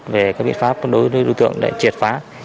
về các biện pháp đối tượng để triệt phá